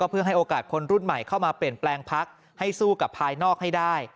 เพื่อให้โอกาสคนรุ่นใหม่เข้ามาเปลี่ยนแปลงพักให้สู้กับภายนอกให้ได้